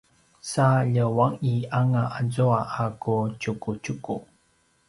sa ljengua’ianga azua a ku tjukutjuku